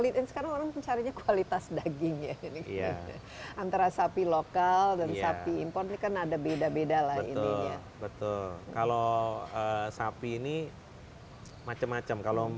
dari kerbau justru